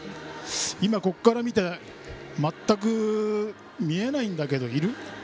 ここから見て全く見えないんだけど。